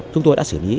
chúng tôi đã xử lý